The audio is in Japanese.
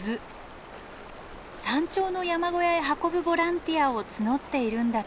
山頂の山小屋へ運ぶボランティアを募っているんだとか。